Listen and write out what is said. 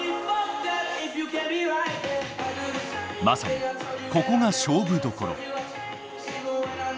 まさにここが勝負どころ。